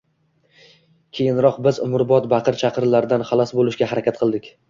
Keyinroq biz umrbod baqir-chaqirlardan xalos bo‘lishga harakat qildik.